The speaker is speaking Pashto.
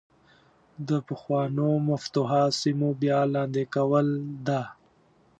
د پخوانو مفتوحه سیمو بیا لاندې کول ده.